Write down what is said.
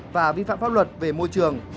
và vi phạm pháp luật về môi trường